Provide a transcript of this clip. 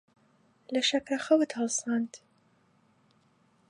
لە شەکرەخەوت هەڵساند.